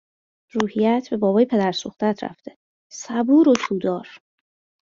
روحیهات به بابای پدر سوختهات رفته، صبور و تودار